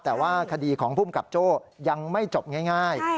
แต่ว่าคดีของภูมิกับโจ้ยังไม่จบง่าย